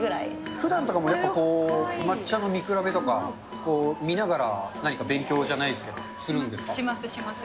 ふだんとかもやっぱこう、抹茶の見比べとか、見ながら何か勉強じゃないですけど、するんでします、します。